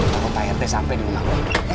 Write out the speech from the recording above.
takut prt sampe di rumah lu